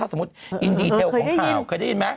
สมมุติอินดีเทลของข่าวเคยได้ยินไหม